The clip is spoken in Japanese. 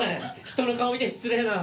人の顔見て失礼な！